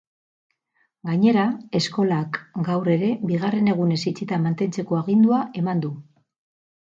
Gainera, eskolak gaur ere bigarren egunez itxita mantentzeko agindua eman du.